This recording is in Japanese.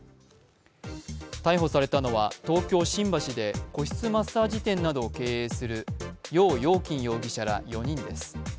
逮捕されたのは東京・新橋で個室マッサージ店などを経営する楊瑶琴容疑者ら４人です。